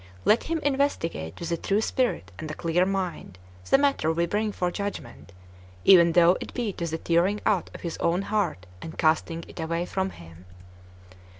Let him investigate with a true spirit and a clear mind the matter we bring for judgment, even though it be to the tearing out of his own heart and casting it away from him."